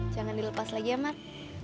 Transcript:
jangan dilepas lagi ya mak